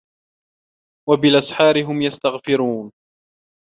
وَبِالأَسحارِ هُم يَستَغفِرونَ